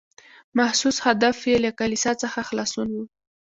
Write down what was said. محسوس هدف یې له کلیسا څخه خلاصون و.